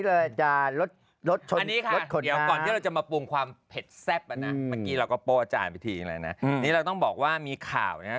เราก็ปกโป้งกับอาจารย์ไปทีเลยนะนี่เราต้องบอกว่ามีข่าวนะครับ